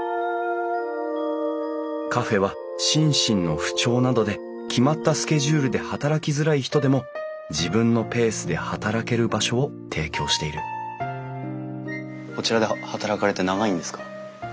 カフェは心身の不調などで決まったスケジュールで働きづらい人でも自分のペースで働ける場所を提供しているこちらで働かれて長いんですか？